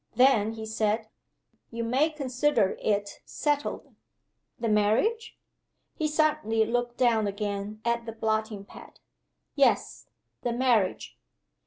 "Then," he said, "you may consider it settled." "The marriage?" He suddenly looked down again at the blotting pad. "Yes the marriage."